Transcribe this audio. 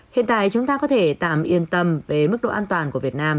hiện tại chúng ta có thể tạm yên tâm về mức độ an toàn của việt nam